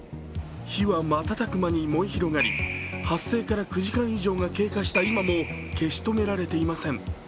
火は瞬く間に燃え広がり発生から９時間以上が経過した今も消し止められていません。